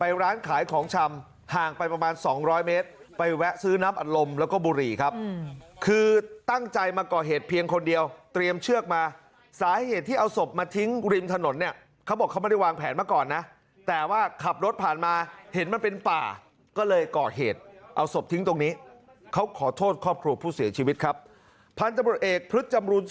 ดึงลงดึงลงดึงลงดึงลงดึงลงดึงลงดึงลงดึงลงดึงลงดึงลงดึงลงดึงลงดึงลงดึงลงดึงลงดึงลงดึงลงดึงลงดึงลงดึงลงดึงลงดึงลงดึงลงดึงลงดึงลงดึงลงดึงลงดึงลงดึงลงดึงลงดึงลงดึงลงดึงลงดึงลงดึงลงดึงลงดึงลง